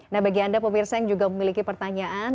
nah bagi anda pemirsa yang juga memiliki pertanyaan